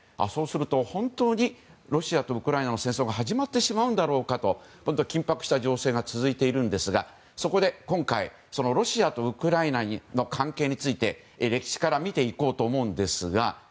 そうすると本当にロシアとウクライナの戦争が始まってしまうのではと緊迫した情勢が続いているんですがそこで今回、ロシアとウクライナの関係について歴史から見ていこうと思うんですが。